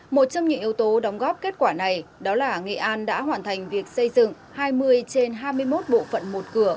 một trong những yếu tố đóng góp kết quả này đó là nghệ an đã hoàn thành việc xây dựng hai mươi trên hai mươi một bộ phận một cửa